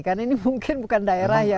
karena ini mungkin bukan daerah yang